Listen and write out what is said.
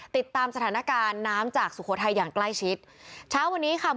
ติดตามสถานการณ์น้ำจากสุโขทัยอย่างใกล้ชิดเช้าวันนี้ค่ะ